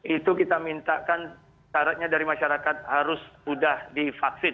itu kita mintakan syaratnya dari masyarakat harus sudah divaksin